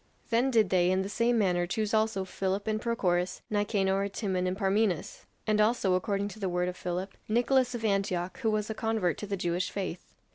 Then did they in the same manner choose also Philip and Prochorus, Nicanor, Timon, and Parmenas; and also, according to the word of Philip, Nicolas of Antioch, who was a convert to the Jewish faith.